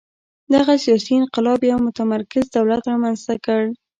دغه سیاسي انقلاب یو متمرکز دولت رامنځته کړ.